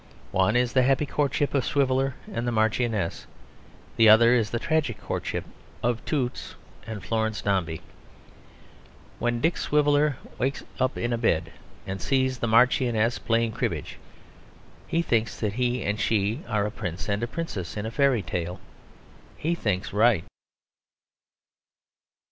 One is the happy courtship of Swiveller and the Marchioness; the other is the tragic courtship of Toots and Florence Dombey. When Dick Swiveller wakes up in bed and sees the Marchioness playing cribbage he thinks that he and she are a prince and princess in a fairy tale. He thinks right.